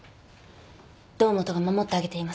堂本が守ってあげています。